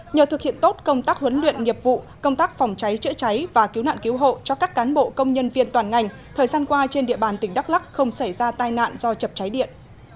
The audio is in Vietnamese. nhờ thực hiện tốt công tác huấn luyện nghiệp vụ công tác phòng cháy chữa cháy và cứu nạn cứu hộ cho các cán bộ công nhân viên toàn ngành thời gian qua trên địa bàn tỉnh đắk lắc không xảy ra tai nạn do chập cháy điện